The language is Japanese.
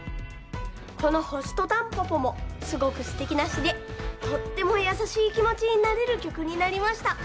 この「星とたんぽぽ」もすごくすてきなしでとってもやさしいきもちになれるきょくになりました。